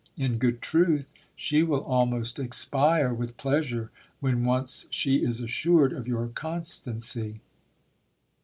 In good truth, she will almost expire with pleasure when once she is assured of your constancy."